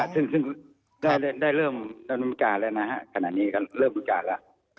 ซึ่งได้เริ่มปฏิบัติการแล้วนะครับขณะนี้ก็เริ่มปฏิบัติการแล้ว